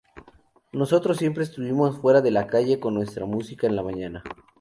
Nosotros siempre estuvimos fuera en la calle con nuestra música en la mañana.